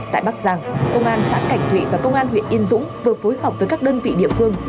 tại bắc giang công an xã cảnh thụy và công an huyện yên dũng vừa phối hợp với các đơn vị địa phương